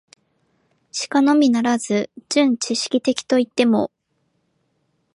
しかのみならず、純知識的といっても、